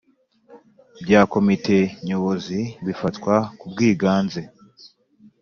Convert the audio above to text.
bya Komite Nyobozi bifatwa ku bwiganze